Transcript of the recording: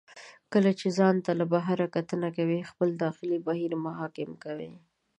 کله چې ځان ته له بهر کتنه کوئ، خپل داخلي بهیر مه حاکم کوئ.